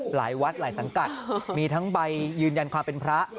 หลายวัฒน์ก็เหล่าทั้งใบยืนยันความเป็นพระ